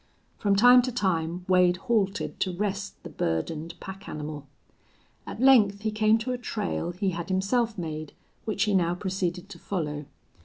From time to time Wade halted to rest the burdened pack animal. At length he came to a trail he had himself made, which he now proceeded to follow.